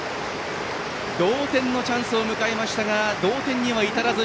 同点のチャンスを迎えましたが同点には至らず。